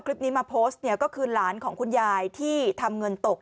คลิปนี้มาโพสต์เนี่ยก็คือหลานของคุณยายที่ทำเงินตก